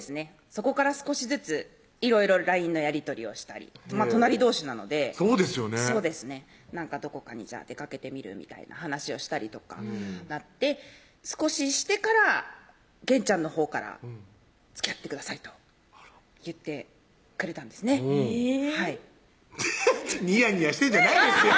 そこから少しずついろいろＬＩＮＥのやり取りをしたり隣どうしなのでそうですよね「どこかに出かけてみる？」みたいな話をしたりとかなって少ししてからげんちゃんのほうから「つきあってください」と言ってくれたんですねにやにやしてんじゃないですよ